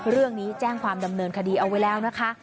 เรื่องนี้แจ้งความดำเนินคดีเอาไว้แล้วนะคะ